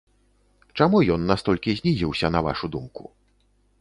Чаму ён настолькі знізіўся, на вашу думку?